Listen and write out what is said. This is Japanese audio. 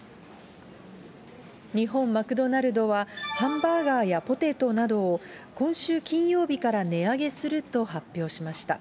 日本マクドナルドは、ハンバーガーやポテトなどを、今週金曜日から値上げすると発表しました。